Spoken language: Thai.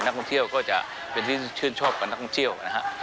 ท่องเที่ยวก็จะเป็นที่ชื่นชอบกับนักท่องเที่ยวนะฮะ